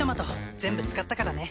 全部使ったからね。